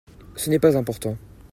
Ce n'est pas important.